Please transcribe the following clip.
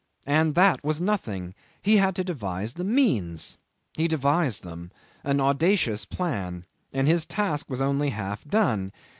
And that was nothing. He had to devise the means. He devised them an audacious plan; and his task was only half done.